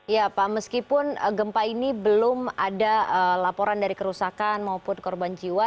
ya pak meskipun gempa ini belum ada laporan dari kerusakan maupun korban jiwa